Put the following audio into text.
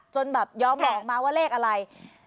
จนแบบยอมบอกมาว่าเลขอะไร